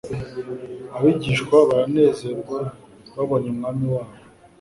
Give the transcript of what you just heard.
Abigishwa baranezerwa babonye Umwami wabo.